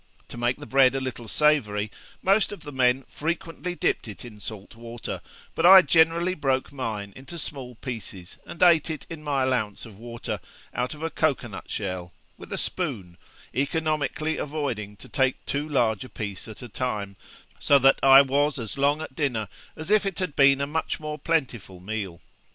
To make the bread a little savoury, most of the men frequently dipped it in salt water, but I generally broke mine into small pieces, and ate it in my allowance of water, out of a cocoa nut shell, with a spoon; economically avoiding to take too large a piece at a time, so that I was as long at dinner as if it had been a much more plentiful meal.'